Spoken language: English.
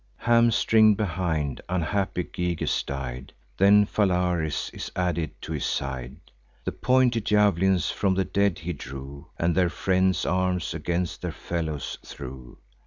Hamstring'd behind, unhappy Gyges died; Then Phalaris is added to his side. The pointed jav'lins from the dead he drew, And their friends' arms against their fellows threw.